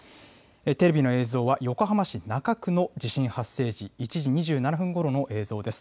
テレビの映像は横浜市中区の地震発生時、１時２７分ごろの映像です。